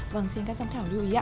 vâng xin các giám khảo lưu ý ạ